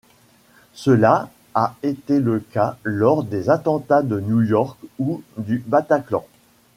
Cela a été le cas lors des attentats de New-York ou du Bataclan.